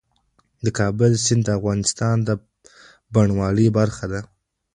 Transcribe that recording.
د کابل سیند د افغانستان د بڼوالۍ برخه ده.